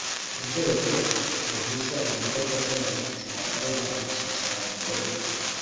Urwo rwego ruhuza ibikorwa by abanditsi bakorera ku cyicaro gikuru